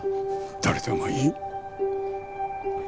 誰でもいい。